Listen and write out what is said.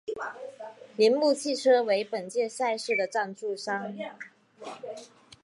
铃木汽车为本届赛事的赞助商。